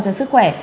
cho sức khỏe